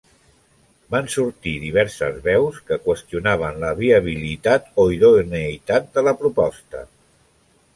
Van sortir diverses veus que qüestionaven la viabilitat o idoneïtat de la proposta.